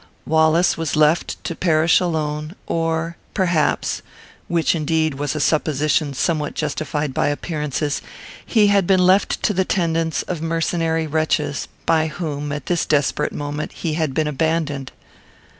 Wallace was left to perish alone; or, perhaps, (which, indeed, was a supposition somewhat justified by appearances,) he had been left to the tendance of mercenary wretches; by whom, at this desperate moment, he had been abandoned.